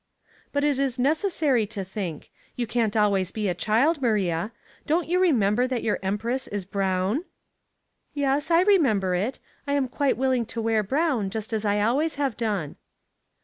''But it is necessary to think. You can't al ways be a child, Maria. Don't you remember that your empress is brown '^"" Yes, I remember it. I am quite willing to wear brown, just as 1 always have done."